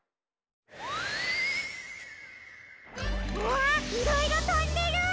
わあいろいろとんでる！